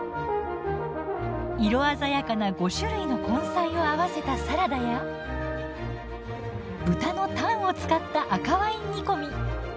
色鮮やかな５種類の根菜を合わせたサラダや豚のタンを使った赤ワイン煮込み。